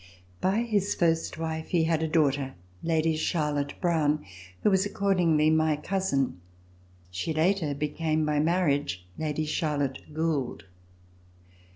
By his first wife he had a daughter, Lady Charlotte Browne, who was accordingly my cousin. She later became by marriage Lady Charlotte Goold.